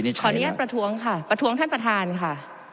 ขออนุญาตประท้วงค่ะประท้วงท่านประธานค่ะ